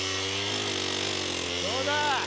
どうだ。